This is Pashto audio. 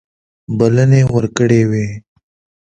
بلنې ورکړي وې.